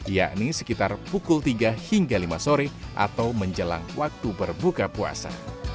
yakni sekitar pukul tiga hingga lima sore atau menjelang waktu berbuka puasa